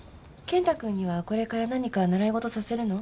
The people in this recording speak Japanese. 健太君にはこれから何か習い事させるの？